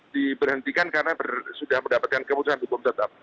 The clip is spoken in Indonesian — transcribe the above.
diberhentikan karena sudah mendapatkan keputusan hukum tetap